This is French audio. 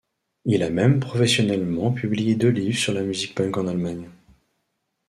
Il a même professionnellement publié deux livres sur la musique punk en Allemagne.